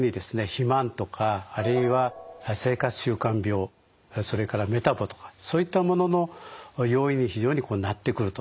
肥満とかあるいは生活習慣病それからメタボとかそういったものの要因に非常になってくると。